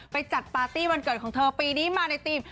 จัดปาร์ตี้วันเกิดของเธอปีนี้มาในทีม